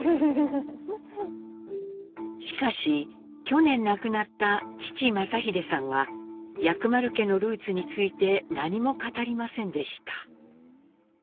しかし去年亡くなった父正英さんは薬丸家のルーツについて何も語りませんでした。